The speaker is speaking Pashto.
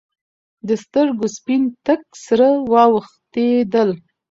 د سترګو سپین تک سره واوختېدل.